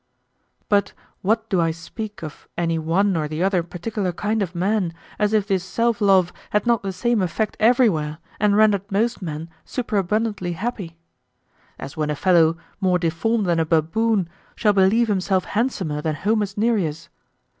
But what do I speak of any one or the other particular kind of men, as if this self love had not the same effect everywhere and rendered most men superabundantly happy? As when a fellow, more deformed than a baboon, shall believe himself handsomer than Homer's Nereus.